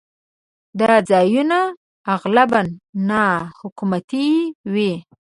دا ځایونه اغلباً ناحکومتي وي.